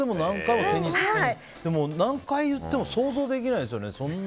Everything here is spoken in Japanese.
何回言っても想像できないんですよね。